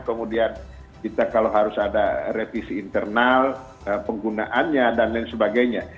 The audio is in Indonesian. kemudian kita kalau harus ada revisi internal penggunaannya dan lain sebagainya